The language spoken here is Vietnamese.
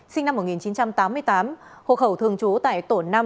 sinh năm một nghìn chín trăm tám mươi tám hộ khẩu thường trú tại tổ năm